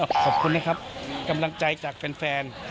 ขอบคุณนะครับกำลังใจจากแฟน